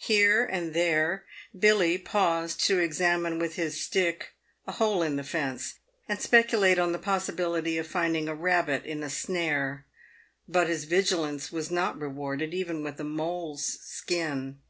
Here and there Billy paused to examine with his stick a hole in the fence, and speculate on the possibility of finding a rabbit in a snare. But his vigilance was not rewarded even with a mole's skin.